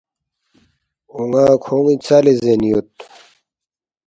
”اون٘ا کھون٘ی ژَلے زین یود